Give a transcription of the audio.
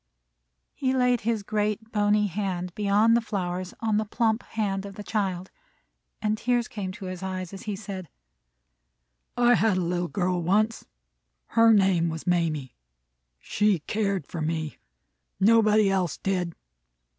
He laid his great, bony hand beyond the flowers, on the plump hand of the child, and tears came to his eyes, as he said: "I had a little girl once. Her name was Mamie. She cared for me. Nobody else did.